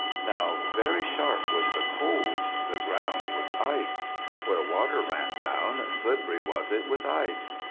Now very sharp was the cold. The ground was ice. Where water ran down, slippery was it with ice.